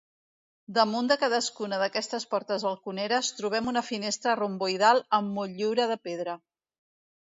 Damunt de cadascuna d'aquestes portes balconeres trobem una finestra romboidal amb motllura de pedra.